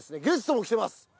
ゲストも来てます